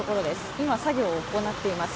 今、作業を行っています。